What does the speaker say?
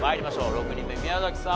６人目宮崎さん